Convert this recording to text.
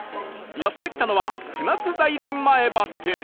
やって来たのは舟津大林前バス停